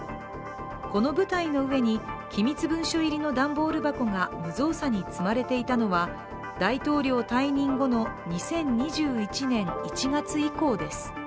この舞台の上に、機密文書入りの段ボール箱が無造作に積まれていたのは大統領退任後の２０２１年１月以降です。